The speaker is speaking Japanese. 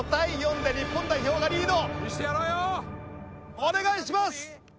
お願いします！